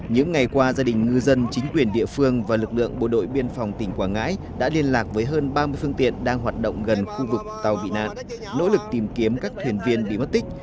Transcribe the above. những ngày qua gia đình ngư dân chính quyền địa phương và lực lượng bộ đội biên phòng tỉnh quảng ngãi đã liên lạc với hơn ba mươi phương tiện đang hoạt động gần khu vực tàu bị nạn nỗ lực tìm kiếm các thuyền viên bị mất tích